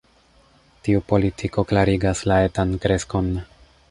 Tiu politiko klarigas la etan kreskon.